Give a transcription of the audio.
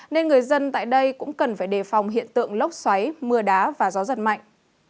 nên người dân tại đây cũng cần phải đề phòng hiện tượng lốc xoáy mưa đá và gió giật mạnh